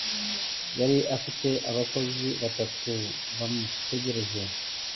Yari afite abakozi batatu bamutegereje.